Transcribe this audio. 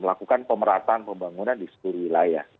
melakukan pemerataan pembangunan di seluruh wilayah